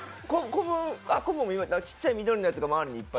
子分ちっちゃい緑のやつが周りにいっぱい。